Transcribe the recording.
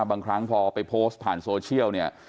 บางครั้งพอไปโพสต์ผ่านโซเชียลเนี่ย